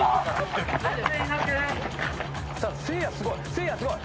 せいやすごい。